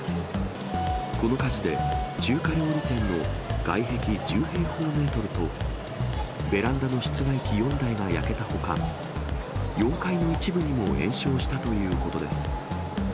この火事で、中華料理店の外壁１０平方メートルとベランダの室外機４台が焼けたほか、４階の一部にも延焼したということです。